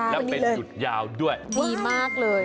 และเป็นหยุดยาวด้วยดีมากเลย